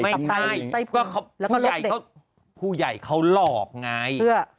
ไม่ใช่ผู้ใหญ่เขาหลอกไง